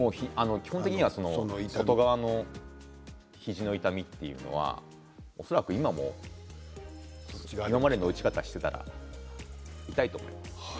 基本的には外側の肘の痛みというのは恐らく今も今までの打ち方をしていたら痛いと思います。